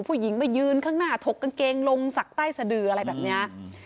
ผู้หญิงมายืนข้างหน้าถกกางเกงลงสักใต้สะดืออะไรแบบนี้